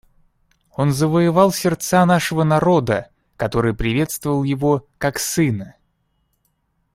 Он завоевал сердца нашего народа, который приветствовал его как сына.